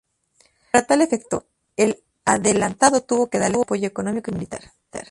Para tal efecto, el Adelantado tuvo que darle apoyo económico y militar.